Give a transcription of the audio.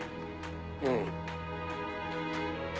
うん。